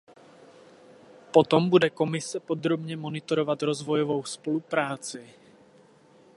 Potom bude Komise podrobně monitorovat rozvojovou spolupráci.